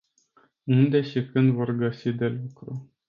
Unde și când vor găsi de lucru?